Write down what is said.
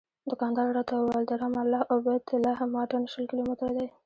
دوکاندار راته وویل د رام الله او بیت لحم واټن شل کیلومتره دی.